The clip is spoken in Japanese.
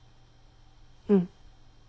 うん。